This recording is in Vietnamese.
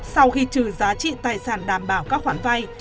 sau khi trừ giá trị tài sản đảm bảo các khoản vay